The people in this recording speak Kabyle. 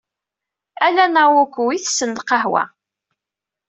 Ala Naoko ay ittessen lqahwa.